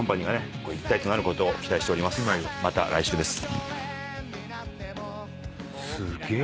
また来週です。